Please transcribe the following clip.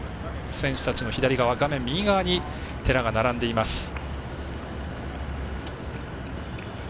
選手たちの左側に寺が並んでいます。